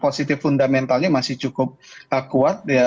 positif fundamentalnya masih cukup kuat